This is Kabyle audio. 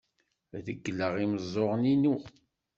Regleɣ imeẓẓuɣen-inu.